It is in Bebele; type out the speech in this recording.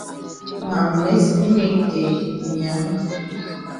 Mam məsə̀ mənə ìtə nyìəŋ.